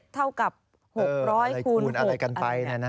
เท่ากับ๖๐๐คูณอะไรกันไป